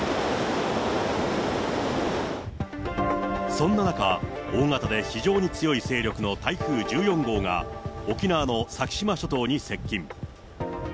そんな中、大型で非常に強い勢力の台風１４号が、沖縄の先島諸島に接近。